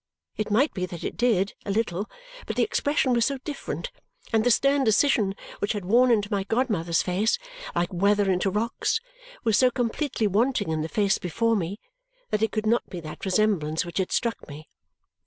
It might be that it did, a little; but the expression was so different, and the stern decision which had worn into my godmother's face, like weather into rocks, was so completely wanting in the face before me that it could not be that resemblance which had struck me.